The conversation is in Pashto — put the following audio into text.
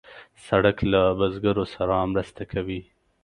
سړک له بزګرو سره مرسته کوي.